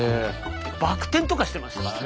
バク転とかしてましたからね。